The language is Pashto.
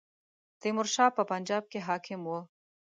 تیمور شاه په پنجاب کې حاکم وو.